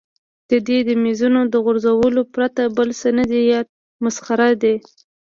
د ده د مېزونو د غورځولو پرته بل څه نه دي یاد، مسخره دی.